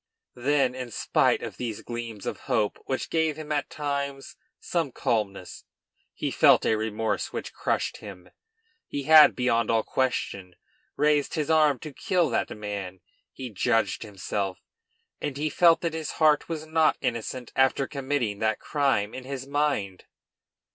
Then, in spite of these gleams of hope, which gave him at times some calmness, he felt a remorse which crushed him. He had, beyond all question, raised his arm to kill that man. He judged himself; and he felt that his heart was not innocent after committing that crime in his mind.